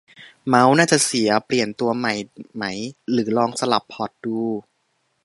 เมาส์น่าจะเสีย เปลี่ยนตัวใหม่ไหม หรือลองสลับพอร์ตดู